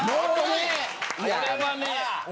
これはね。